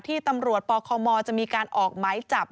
ที่ตำรวจปคมจะมีการออกหมายจับ